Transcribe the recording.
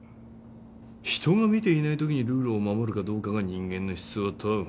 人が見ていないときにルールを守るかどうかが人間の質を問う。